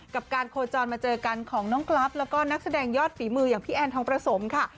กับการโคจรมาเจอกันของน้องกรัฟแล้วก็นักแสดงยอดฝีมืออย่างพี่แอนทองประสมค่ะ